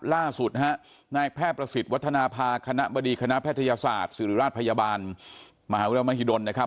ล่าสุดนะฮะนายแพทย์ประสิทธิ์วัฒนภาคณะบดีคณะแพทยศาสตร์ศิริราชพยาบาลมหาวิทยาลัยมหิดลนะครับ